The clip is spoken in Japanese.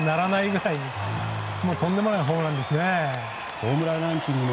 とんでもないホームランですね。